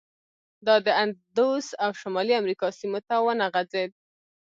دا د اندوس او شمالي امریکا سیمو ته ونه غځېد.